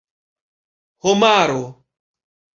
homaro